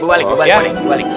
oh dibalik dibalik dibalik